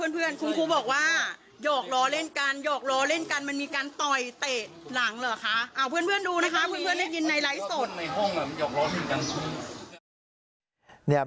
เพื่อนดูนะคะก็ได้ยินในไลฟ์ส่วน